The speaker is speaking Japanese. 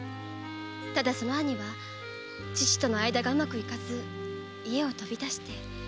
ただその兄は父との間がうまくいかず家を飛び出して。